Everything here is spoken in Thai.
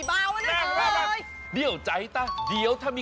แบบไหนอย่างนั้นคนไม่